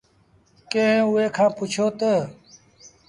ڪݩهݩ اُئي کآݩ پُڇيو تا